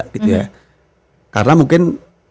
gitu ya karena mungkin